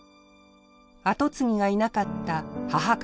跡継ぎがいなかった母方の祖父